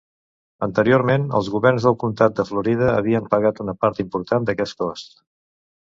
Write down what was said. Anteriorment, els governs del comtat de Florida havien pagat una part important d'aquest cost.